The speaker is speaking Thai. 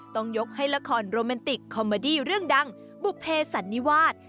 ต้องยกให้ละครโรแมนติกคอมเมอดี้เรื่องดังบุภเพสันนิวาส